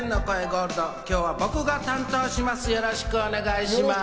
ゴールド、今日は僕が担当します。